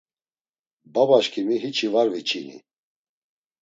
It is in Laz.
Babaşǩimi hiçi var viçini.